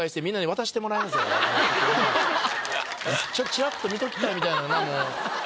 ちらっと見ときたいみたいになるなもう。